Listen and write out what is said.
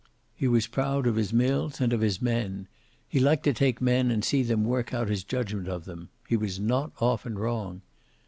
He was proud of his mills and of his men. He liked to take men and see them work out his judgment of them. He was not often wrong.